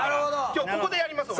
今日ここでやります俺。